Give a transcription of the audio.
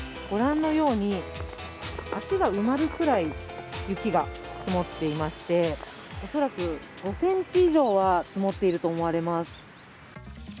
御覧のように、足が埋まるくらい雪が積もっていまして、おそらく５ｃｍ以上は積もっていると思われます。